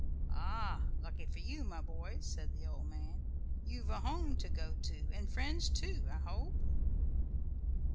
"Ah! lucky for you, my boy!" said the old man. "You've a home to go to, and friends, too, I hope?"